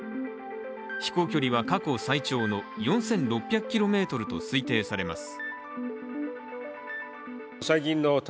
飛行距離は過去最長の４６００ｋｍと推定されます。